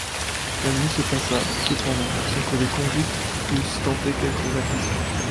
La nuit se passa, cependant, sans que les convicts eussent tenté quelque agression.